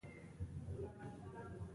بدرنګه چلند د بې اتفاقۍ سرچینه ده